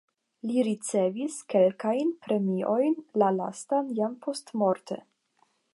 Li ricevis kelkajn premiojn, la lastan jam postmorte.